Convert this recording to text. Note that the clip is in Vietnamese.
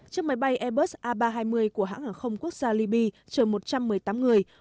chiếc máy bay airbus a ba trăm hai mươi của hãng hàng không quốc gia liby chờ một trăm một mươi tám người